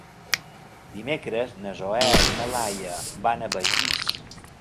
Dimecres na Zoè i na Laia van a Begís.